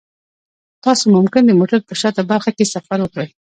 تاسو ممکن د موټر په شاته برخه کې سفر وکړئ